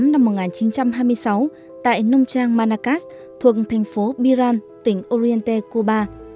fidel castro sinh ngày một mươi ba tháng tám năm một nghìn chín trăm hai mươi sáu tại nung trang manacas thuộc thành phố piran tỉnh oriente cuba